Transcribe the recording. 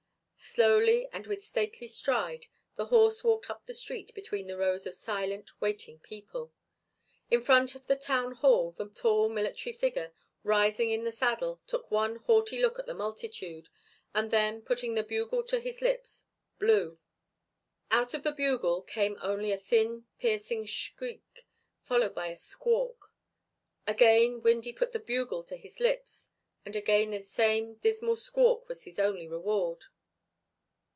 Slowly and with stately stride the horse walked up the street between the rows of silent waiting people. In front of the town hall the tall military figure, rising in the saddle, took one haughty look at the multitude, and then, putting the bugle to his lips, blew. Out of the bugle came only a thin piercing shriek followed by a squawk. Again Windy put the bugle to his lips and again the same dismal squawk was his only reward.